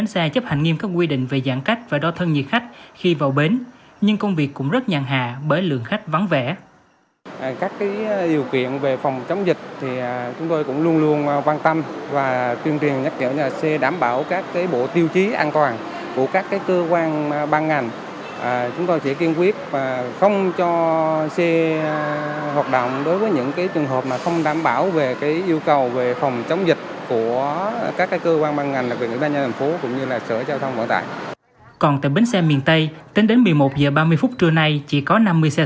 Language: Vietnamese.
xã hội giao thông vận tải còn tại bến xe miền tây tính đến một mươi một giờ ba mươi phút trưa nay chỉ có năm mươi xe